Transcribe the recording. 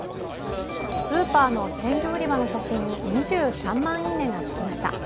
スーパーの鮮魚売り場の写真に２３万いいねがつきました。